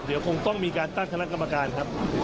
เดี๋ยวคงต้องมีการตั้งคณะกรรมการครับ